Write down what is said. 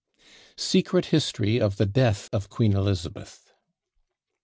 SECRET HISTORY OF THE DEATH OF QUEEN ELIZABETH.